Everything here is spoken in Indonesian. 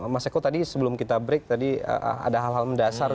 mas eko tadi sebelum kita break tadi ada hal hal mendasar